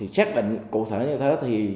xác định cụ thể như thế